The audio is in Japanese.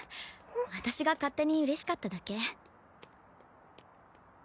私が勝手にうれしかっただけ。